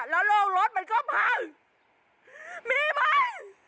แล้วลงรถมันก็พังมีมั้ย